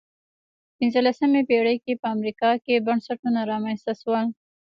پنځلسمې پېړۍ کې په امریکا کې بنسټونه رامنځته شول.